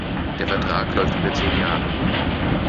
Der Vertrag läuft über zehn Jahre.